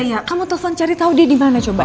iya iya kamu telepon cari tau dia dimana coba